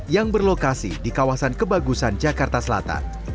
yang berlokasi di kawasan kebagusan jakarta selatan